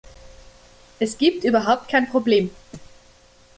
Es gibt überhaupt kein Problem.